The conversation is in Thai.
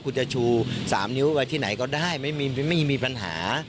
คุณจะชู๓นิ้วไว้ที่ไหนก็ได้ไม่มีปัญหา